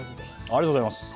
ありがとうございます。